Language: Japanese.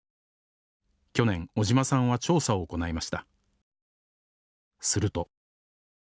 去年尾島さんは調査を行いました。